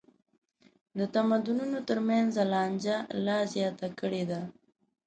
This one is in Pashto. د تمدنونو تر منځ لانجه لا زیاته کړې ده.